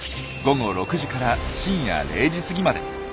午後６時から深夜０時過ぎまで。